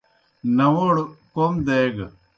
ناؤڑ کوْم دیگہ۔